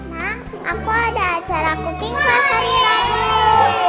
ma aku ada acara cooking class hari rabu